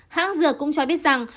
hãng dược cũng cho biết rằng